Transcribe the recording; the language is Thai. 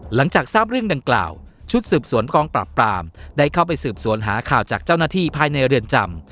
หลังจากทราบเรื่องดังกล่าวชุดสืบสวนกองปราบปรามได้เข้าไปสืบสวนหาข่าวจากเจ้าหน้าที่ภายในเรือนจำ